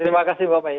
terima kasih bapak